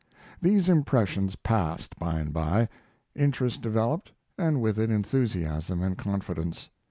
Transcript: These impressions passed, by and by; interest developed, and with it enthusiasm and confidence.